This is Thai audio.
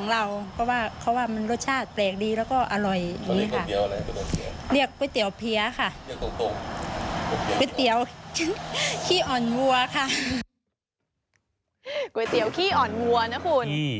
นี่คือเปล่าเนี่ย